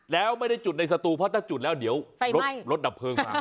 แล้วไม่ได้จุดในสตูเพราะถ้าจุดแล้วเดี๋ยวรถดับเพลิงมา